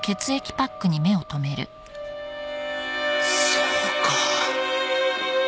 そうか！